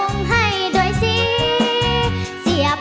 เพลงเก่งของคุณครับ